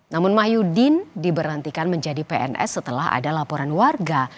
namun mahyudin diberhentikan menjadi pns setelah ada laporan warga